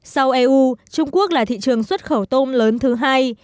sau eu trung quốc là thị trường xuất khẩu tôm lớn thứ hai